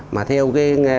mà theo cái